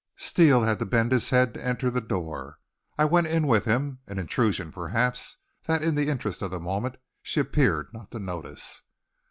Steele had to bend his head to enter the door. I went in with him, an intrusion, perhaps, that in the interest of the moment she appeared not to notice.